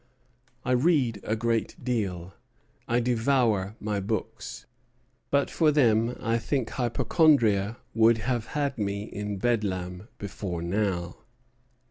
I read a great deal, I devour my books. But for them I think hypochondria would have had me in Bedlam before now.